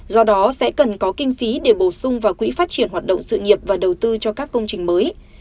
do đó sẽ cần có kinh phí để bổ sung vào quỹ phát triển hoạt động sự nghiệp và đầu tư cho các công trình mới